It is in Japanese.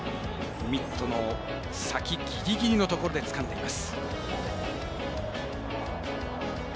ミットの先ギリギリのところでつかんでいます。